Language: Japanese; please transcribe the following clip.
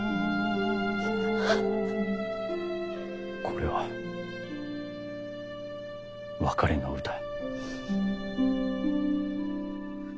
これは別れの歌。